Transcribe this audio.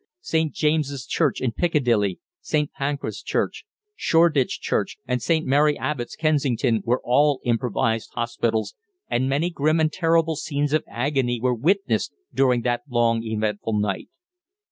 St. James's Church in Piccadilly, St. Pancras Church, Shoreditch Church, and St. Mary Abbotts', Kensington, were all improvised hospitals, and many grim and terrible scenes of agony were witnessed during that long eventful night.